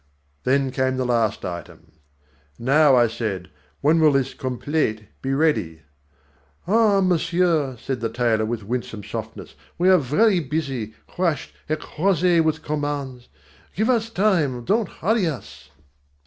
Then came the last item. "Now," I said, "when will this 'complete' be ready?" "Ah, monsieur," said the tailor, with winsome softness, "we are very busy, crushed, écrasés with commands! Give us time, don't hurry us!"